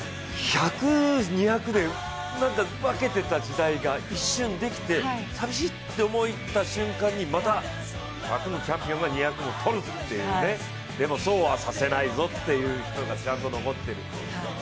１００、２００で分けていた時代が一瞬できて寂しいって思った瞬間に、また１００のチャンピオンが２００もとるっていうね、でも、そうはさせないぞという人がちゃんと残ってる。